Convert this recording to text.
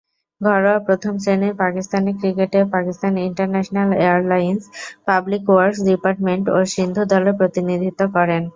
ঘরোয়া প্রথম-শ্রেণীর পাকিস্তানি ক্রিকেটে Pakistan International Airlines, Public Works Department ও সিন্ধু দলের প্রতিনিধিত্ব করেন।